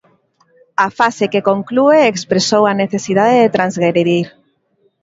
A fase que conclúe expresou a necesidade de transgredir.